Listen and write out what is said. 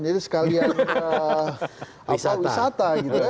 jadi sekalian wisata